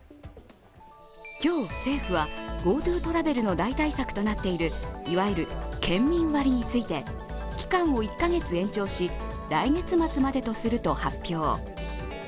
今日、政府はＧｏＴｏトラベルの代替策となっているいわゆる県民割について期間を１カ月延長し来月末までとすると発表。